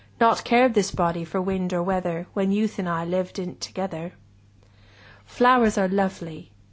15 Naught cared this body for wind or weather When Youth and I lived in 't together. Flowers are lovely!